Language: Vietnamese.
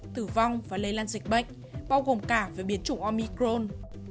tử vong và lây lan dịch bệnh bao gồm cả với biến chủng omicron